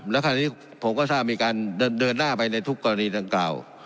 แล้วคราวนี้ผมก็ทราบมีการเดินหน้าไปในทุกกรณีดังกล่าว